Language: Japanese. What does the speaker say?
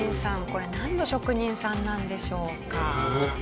これなんの職人さんなんでしょうか？